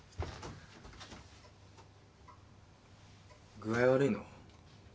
具合悪いの？